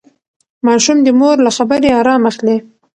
ماشوم د مور له خبرې ارام اخلي.